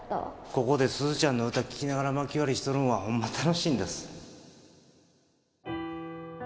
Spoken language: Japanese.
ここで鈴ちゃんの歌聴きながらまき割りしとるんはホンマ楽しいんだす。